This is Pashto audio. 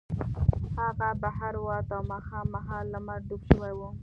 هغه بهر ووت او ماښام مهال لمر ډوب شوی و